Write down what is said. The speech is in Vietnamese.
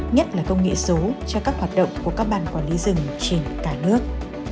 nhất là công nghệ số cho các hoạt động của các ban quản lý rừng trên cả nước